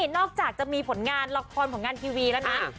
นอกจากจะมีผลงานละครผลงานทีวีแล้วนะ